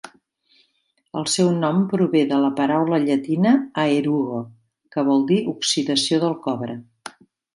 El seu nom prové de la paraula llatina "aerugo", que vol dir "oxidació del cobre".